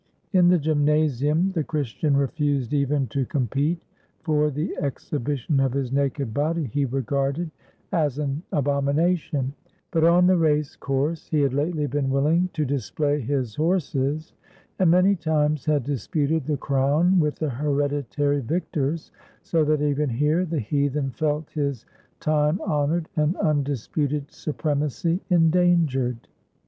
In the gymnasium the Chris tian refused even to compete, for the exhibition of his naked body he regarded as an abomination ; but on the race course he had lately been willing to display his horses, and many times had disputed the crown with the hereditary victors, so that, even here, the heathen felt his time honored and undisputed supremacy endan gered.